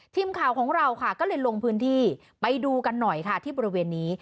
ทีมข่าวของเราค่ะก็เลยลงพื้นที่ไปดูกันหน่อยค่ะที่บริเวณนี้